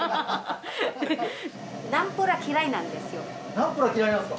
ナンプラー嫌いなんすか？